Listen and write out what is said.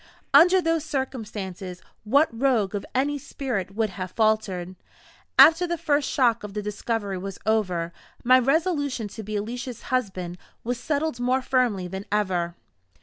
Under those circumstances what Rogue of any spirit would have faltered? After the first shock of the discovery was over, my resolution to be Alicia's husband was settled more firmly than ever.